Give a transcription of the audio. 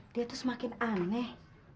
dia tuh semakin aneh